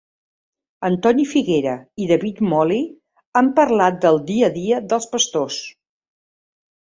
Antoni Figuera i David Moli han parlat del dia a dia dels pastors.